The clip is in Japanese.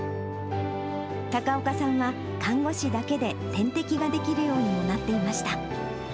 高岡さんは看護師だけで点滴ができるようにもなっていました。